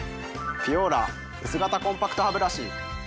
ピュオーラ薄型コンパクトハブラシ。